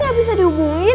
gak bisa dihubungin